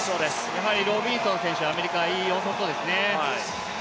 やはりロビンソン選手、アメリカはいいですね。